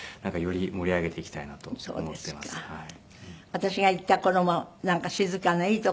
私が行った頃もなんか静かないい所でしたよね